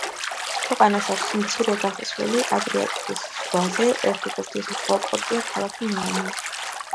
ქვეყანას აქვს მცირე გასასვლელი ადრიატიკის ზღვაზე, ერთადერთი საზღვაო პორტია ქალაქი ნეუმი.